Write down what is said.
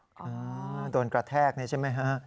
โดนกระแทกนี่ใช่ไหมฮะ